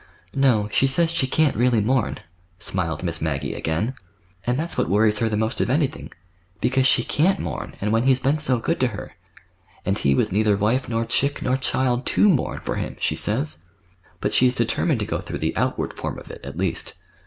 "No, she says she can't really mourn," smiled Miss Maggie again, "and that's what worries her the most of anything—because she can't mourn, and when he's been so good to her—and he with neither wife nor chick nor child to mourn for him, she says. But she's determined to go through the outward form of it, at least.